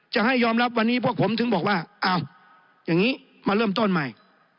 จะให้ยอมรับวันนี้พวกผมถึงบอกว่าอ้าวอย่างนี้มาเริ่มต้นใหม่